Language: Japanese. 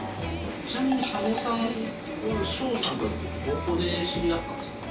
ちなみに佐野さん、翔さんとはどこで知り合ったんですか？